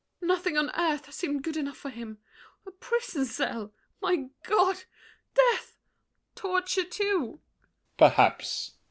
] Nothing on earth seemed good enough for him! A prison cell—my God! Death! Torture too! L'ANGELY. Perhaps!